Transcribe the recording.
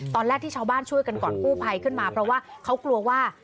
ตอนแรกที่ชาวบ้านช่วยกันก่อนกู้ภัยขึ้นมาเพราะว่าเขากลัวว่า